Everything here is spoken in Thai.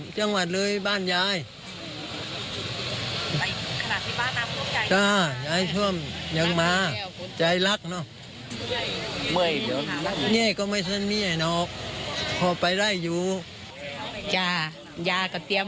เก็บทองแก้อะไรก็เตรียม